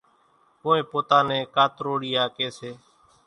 ڪونئين پوتا نين ڪاتروڙِيا ڪيَ سي۔